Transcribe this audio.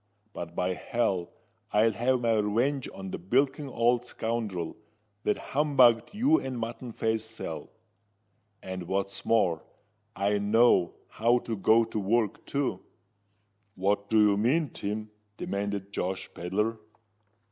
But, by hell! I'll have my revenge on the bilking old scoundrel that humbugged you and Mutton Face Sal. And what's more, I know how to go to work, too." "What do you mean, Tim?" demanded Josh Pedler.